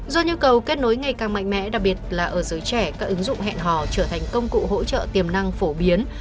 do nhu cầu kết nối ngày càng mạnh mẽ đặc biệt là ở giới trẻ các ứng dụng hẹn hò trở thành công cụ hỗ trợ tiềm năng phổ biến